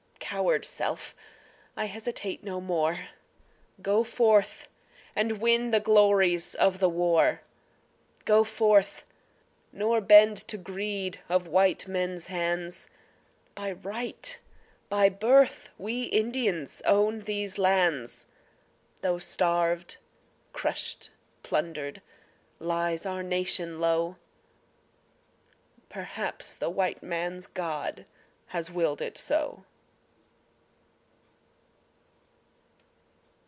coward self I hesitate no more; Go forth, and win the glories of the war. Go forth, nor bend to greed of white men's hands, By right, by birth we Indians own these lands, Though starved, crushed, plundered, lies our nation low... Perhaps the white man's God has willed it so.